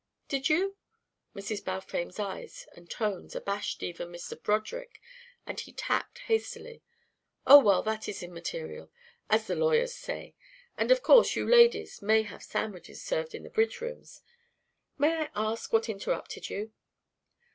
"Did you?" Mrs. Balfame's eyes and tones abashed even Mr. Broderick, and he tacked hastily: "Oh, well, that is immaterial, as the lawyers say. And of course you ladies may have sandwiches served in the bridge rooms. May I ask what interrupted you?"